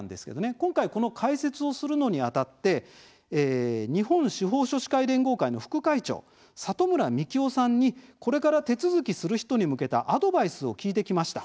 今回この解説をするのにあたって日本司法書士会連合会の副会長里村美喜夫さんにこれから手続きする人に向けたアドバイスを聞いてきました。